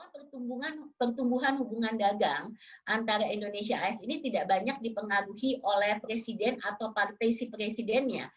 pertumbuhan hubungan dagang antara indonesia as ini tidak banyak dipengaruhi oleh presiden atau partisi presidennya